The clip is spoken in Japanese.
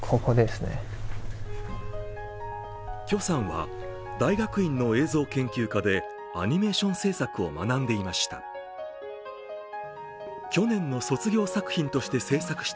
許さんは大学院の映像研究科でアニメーション制作を学んでいました。